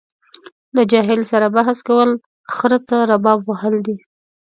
له جاهل سره بحث کول خره ته رباب وهل دي.